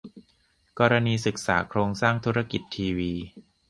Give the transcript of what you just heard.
กรณีศึกษาโครงสร้างธุรกิจทีวี